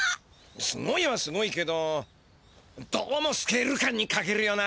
すごいはすごいけどどうもスケール感にかけるよな。